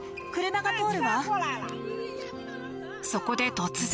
そこで突然。